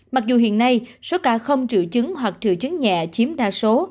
mặc dù hiện nay số ca không triệu chứng hoặc triệu chứng nhẹ chiếm đa số